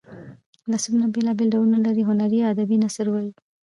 نثرونه بېلا بېل ډولونه لري هنري یا ادبي نثر وايي.